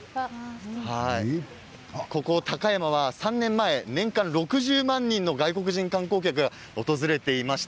ここ高山は３年前、年間６０万人の外国人観光客が訪れていました。